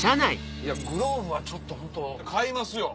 グローブはちょっとホント買いますよ。